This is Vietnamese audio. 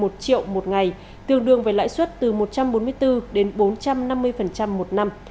một triệu một ngày tương đương với lãi suất từ một trăm bốn mươi bốn đến bốn trăm năm mươi một năm